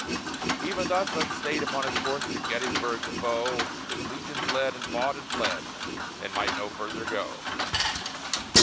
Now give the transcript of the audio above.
Even thus, unstayed upon his course, to Gettysburg the foe His legions led, and fought, and fled, and might no further go.